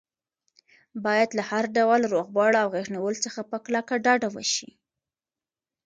باید له هر ډول روغبړ او غېږ نیولو څخه په کلکه ډډه وشي.